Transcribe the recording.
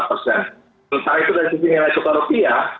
secara itu dari sisi nilai soka rupiah